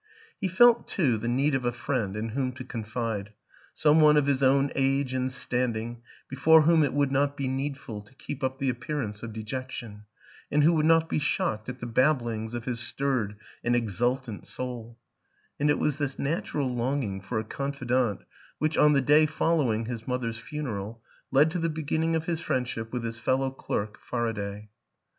He felt, too, the need of a friend in whom to confide, some one of his own age and standing before whom it would not be needful to keep up the appearance of dejec tion and who would not be shocked at the bab blings of his stirred and exultant soul; and it was this natural longing for a confidant which, on the day following his mother's funeral, led to the be ginning of his friendship with his fellow clerk, Faraday.